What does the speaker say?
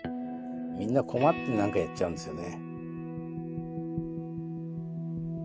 みんな困って何かやっちゃうんですよね。